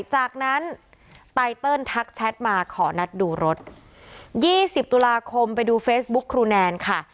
จากนั้นไตเติลทักแชทมาขอนัดดูรถยี่สิบตุลาคมไปดูเฟซบุ๊คครูแนนค่ะ